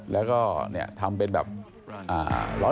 และก้อเนี๊ยมทำเป็นแบบอ่า